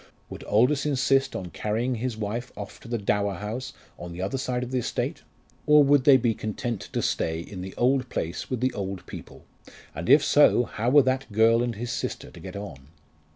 Would Aldous insist on carrying his wife off to the dower house on the other side of the estate? or would they be content to stay in the old place with the old people? And if so, how were that girl and his sister to get on?